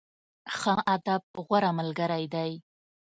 ښه ادب، غوره ملګری دی.